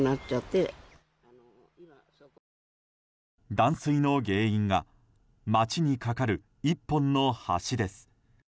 断水の原因が町に架かる１本の橋です。